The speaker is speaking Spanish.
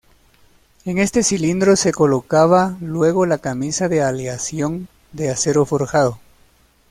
En este cilindro se colocaba luego la camisa de aleación de acero forjado.